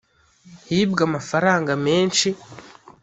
Hibwe amafaranga menshi